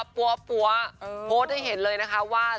ปั๊วโพสต์ให้เห็นเลยนะคะว่า